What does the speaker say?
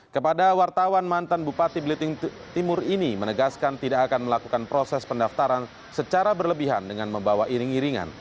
kepada wartawan mantan bupati belitung timur ini menegaskan tidak akan melakukan proses pendaftaran secara berlebihan dengan membawa iring iringan